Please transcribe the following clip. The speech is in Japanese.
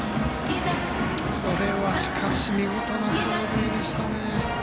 これは見事な走塁でしたね。